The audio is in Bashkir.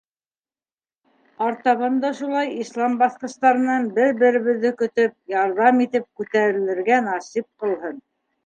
— Артабан да шулай Ислам баҫҡыстарынан бер-беребеҙҙе көтөп, ярҙам итеп күтәрелергә насип ҡылһын.